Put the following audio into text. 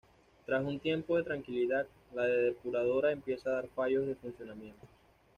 Tras un tiempo de tranquilidad, la depuradora empieza a dar fallos de funcionamientos.